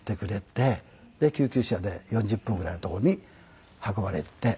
で救急車で４０分ぐらいのとこに運ばれて。